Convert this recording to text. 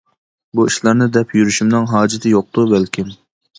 بۇ ئىشلارنى دەپ يۈرۈشۈمنىڭ ھاجىتى يوقتۇ بەلكىم.